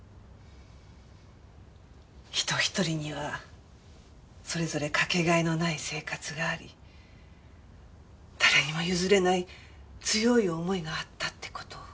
人一人にはそれぞれかけがえのない生活があり誰にも譲れない強い思いがあったって事を。